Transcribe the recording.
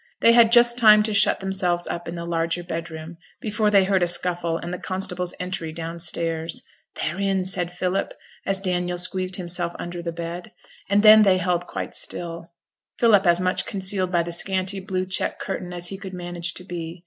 They had just time to shut themselves up in the larger bed room, before they heard a scuffle and the constables' entry down stairs. 'They're in,' said Philip, as Daniel squeezed himself under the bed; and then they held quite still, Philip as much concealed by the scanty, blue check curtain as he could manage to be.